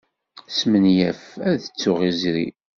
Smenyafeɣ ad ttuɣ izri.